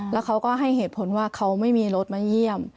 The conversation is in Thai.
แล้วเขาก็ให้เหตุผลว่าเขาไม่มีรถมาเยี่ยม